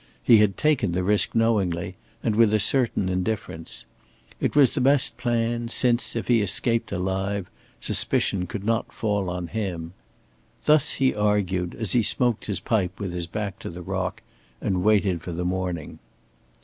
He had taken the risk knowingly, and with a certain indifference. It was the best plan, since, if he escaped alive, suspicion could not fall on him. Thus he argued, as he smoked his pipe with his back to the rock and waited for the morning.